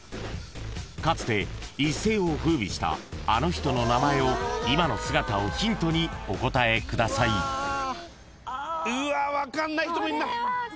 ［かつて一世を風靡したあの人の名前を今の姿をヒントにお答えください］うわ分かんない人もいるな！